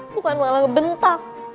bukan malah nge bentak